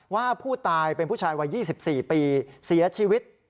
ว่าผู้ตายเป็นผู้ชายวัย๒๔ปีเสียชีวิต